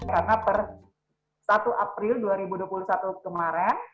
karena per satu april dua ribu dua puluh satu kemarin